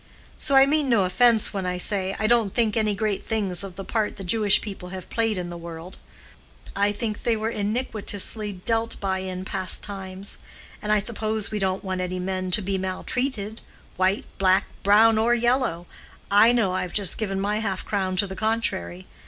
So I mean no offence when I say I don't think any great things of the part the Jewish people have played in the world. What then? I think they were iniquitously dealt by in past times. And I suppose we don't want any men to be maltreated, white, black, brown, or yellow—I know I've just given my half crown to the contrary.